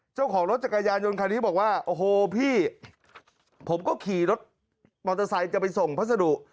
เจ้าของรถจักรยานยนต์คันนี้บอกว่าโอ้โหพี่ผมก็ขี่รถมอเตอร์ไซค์จะไปส่งพัสดุ